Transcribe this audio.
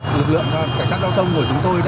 lực lượng cảnh sát giao thông của chúng tôi